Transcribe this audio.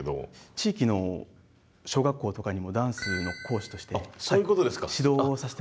地域の小学校とかにもダンスの講師として指導をさせてもらったり。